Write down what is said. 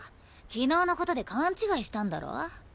昨日のことで勘違いしたんだろ。